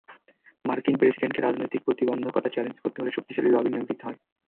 মার্কিন প্রেসিডেন্টকে রাজনৈতিক প্রতিবন্ধকতা চ্যালেঞ্জ করতে হলে শক্তিশালী লবি নিয়োগ দিতে হয়।